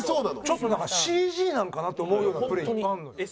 ちょっとＣＧなのかなって思うようなプレーいっぱいあるのよ。